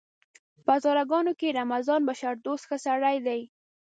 په هزاره ګانو کې رمضان بشردوست ښه سړی دی!